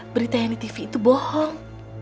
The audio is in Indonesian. berita yang di tv itu bohong